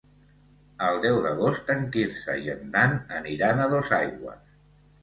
El deu d'agost en Quirze i en Dan aniran a Dosaigües.